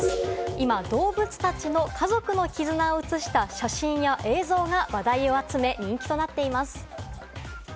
今、動物たちの家族の絆を映した写真や映像が話題を集め、人気となっています。